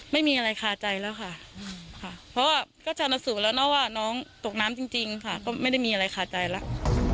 ไม่มีอะไรคาใจแล้วค่ะค่ะเพราะว่าก็ชาญสูตรแล้วนะว่าน้องตกน้ำจริงค่ะก็ไม่ได้มีอะไรคาใจแล้ว